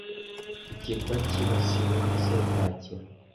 Ikirwa cyibasiwe na serwakira.